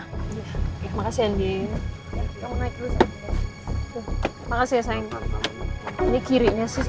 ya mendingan sekarang kita pulang biar kita bisa cepet obatin mama